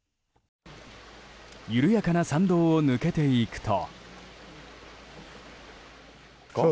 緩やかな参道を抜けていくと。